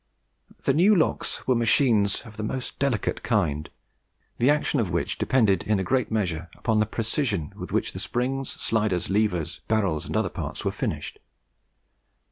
The new locks were machines of the most delicate kind, the action of which depended in a great measure upon the precision with which the springs, sliders, levers, barrels, and other parts were finished.